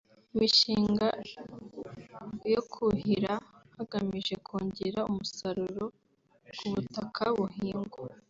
imishinga yo kuhira hagamije kongera umusaruro ku butaka buhingwa